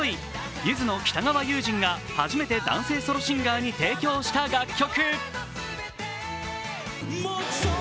ゆずの北川悠仁が初めて男性ソロシンガーに提供した楽曲。